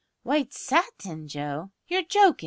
"White satin, Joe? You're jokin'."